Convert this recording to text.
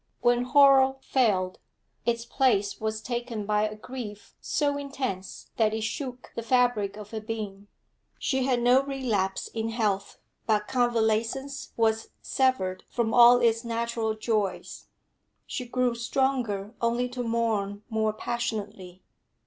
When horror failed, its place was taken by a grief so intense that it shook the fabric of her being. She had no relapse in health, but convalescence was severed from all its natural joys; she grew stronger only to mourn more passionately.